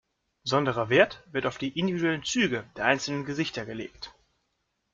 Besonderer Wert wird auf die individuellen Züge der einzelnen Gesichter gelegt.